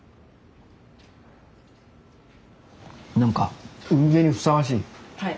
何か海辺にふさわしい。